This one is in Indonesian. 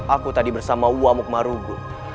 aku tadi bersama uamuk marugut